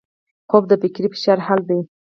خوب د فکري فشار حل دی